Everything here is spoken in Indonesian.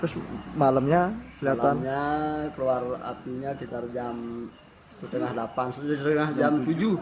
terus malamnya keluar apinya sekitar jam tujuh